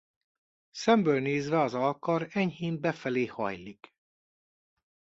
Szemből nézve az alkar enyhén befelé hajlik.